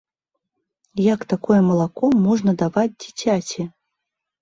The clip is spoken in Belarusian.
Як такое малако можна даваць дзіцяці?